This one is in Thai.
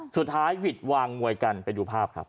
สุดท้ายหวิดวางมวยกันไปดูภาพครับ